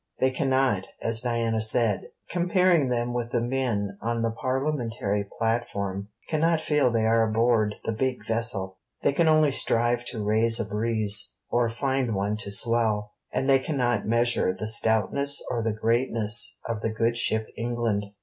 They cannot, as Diana said, comparing them with men on the Parliamentary platform, cannot feel they are aboard the big vessel; they can only strive to raise a breeze, or find one to swell; and they cannot measure the stoutness or the greatness of the good ship England.